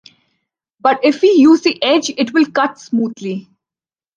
But if we use the edge, it will cut smoothly.